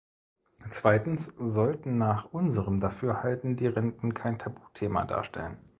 Zweitens sollten nach unserem Dafürhalten die Renten kein Tabuthema darstellen.